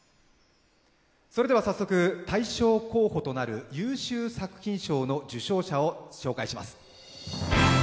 早速、大賞候補となる優秀作品賞の受賞者を紹介します。